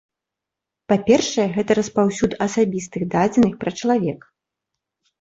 Па-першае, гэта распаўсюд асабістых дадзеных пра чалавека.